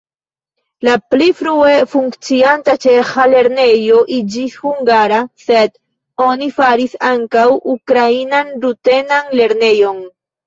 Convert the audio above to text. La pli frue funkcianta ĉeĥa lernejo iĝis hungara, sed oni faris ankaŭ ukrainan-rutenan lernejon.